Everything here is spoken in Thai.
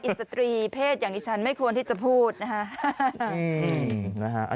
สตรีเพศอย่างที่ฉันไม่ควรที่จะพูดนะฮะ